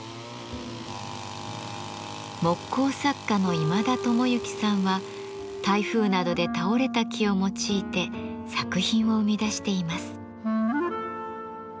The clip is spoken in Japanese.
木工作家の今田智幸さんは台風などで倒れた木を用いて作品を生み出しています。